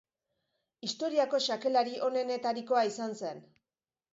Historiako xakelari onenetarikoa izan zen.